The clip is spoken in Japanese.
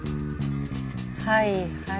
はいはい。